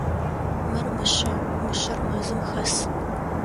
Мыр мышъэ, мышъэр мэзым хэс.